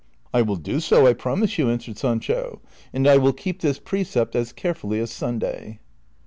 " I will do so, I promise you," answered Sancho, " and I will kee}) this precept as carefully as Sunday."